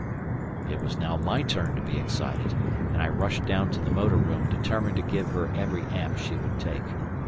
It was now my turn to be excited, and I rushed down to the motor room determined to give her every amp she would take.